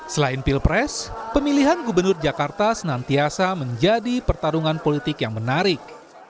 selain pilpres pemilihan gubernur jakarta senantiasa menjadi pertarungan politik yang menarik